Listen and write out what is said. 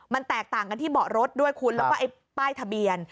มันแตกต่างกันที่เบาะรถด้วยคุณแล้วก็ไอ้ป้ายทะเบียน